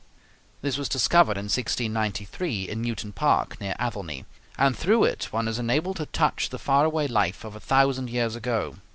This was discovered in 1693 in Newton Park, near Athelney, and through it one is enabled to touch the far away life of a thousand years ago.